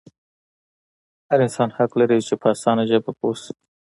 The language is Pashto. هر انسان حق لري چې په اسانه ژبه پوه شي.